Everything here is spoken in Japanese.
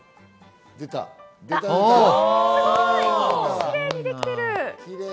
きれいにできている。